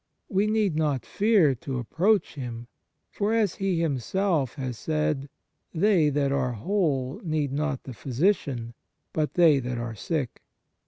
We need not fear to approach Him, for, as He Himself has said, they that are whole need not the physician, but they that are sick.